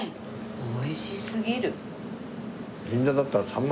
おいしすぎる。